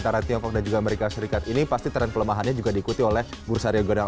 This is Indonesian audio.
terima kasih pak presiden